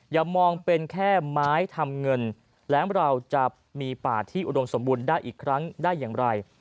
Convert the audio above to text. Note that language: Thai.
อย่ามองเป็นแค่ไม้ทำเงินแล้วเราจะมีป่าที่อุดมสมบูรณ์ได้อีกครั้งได้อย่างไร